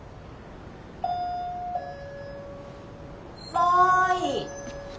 はい。